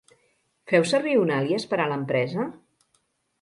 Feu servir un àlies per a l'empresa?